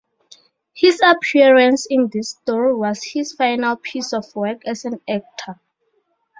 His appearance in this story was his final piece of work as an actor.